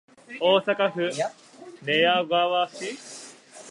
大阪府寝屋川市